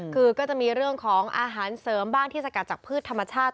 คือก็จะมีเรื่องของอาหารเสริมบ้างที่สกัดจากพืชธรรมชาติ